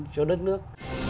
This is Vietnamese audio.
cho đất nước